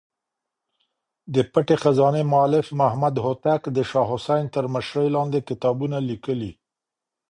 د پټې خزانې مولف محمد هوتک د شاه حسين تر مشرۍ لاندې کتابونه ليکلي.